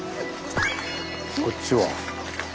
こっちは。